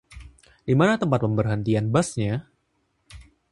Di mana tempat pemberhentian busnya?